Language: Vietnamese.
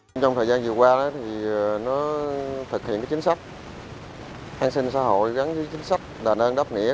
trong thời gian vừa qua nó thực hiện chính sách an sinh xã hội gắn với chính sách đàn ân đáp nghĩa